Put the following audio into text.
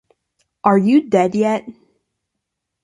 Are You Dead Yet?